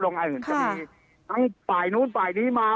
รวงงานอื่นจะมีทั้งปลายนู้นปลายนี้